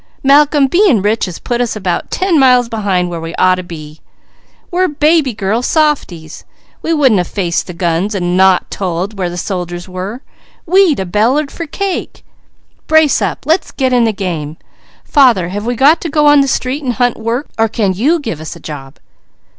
Malcolm, being rich has put us about ten miles behind where we ought to be. We're baby girl softies! We wouldn't a faced the guns and not told where the soldiers were, we'd a bellered for cake. Brace up! Let's get in the game! Father, have we got to go on the street and hunt work, or can you give us a job?"